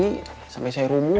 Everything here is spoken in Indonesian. tiga kali sampai saya rumuh